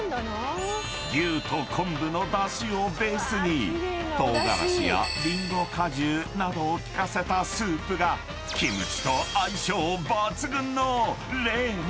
［牛と昆布の出汁をベースに唐辛子やりんご果汁などを効かせたスープがキムチと相性抜群の冷麺］